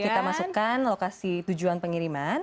kita masukkan lokasi tujuan pengiriman